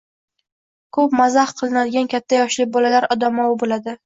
Ko‘p mazax qilinadigan katta yoshli bolalar odamovi bo'ladi.